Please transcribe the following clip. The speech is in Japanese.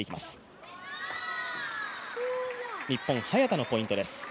日本、早田のポイントです。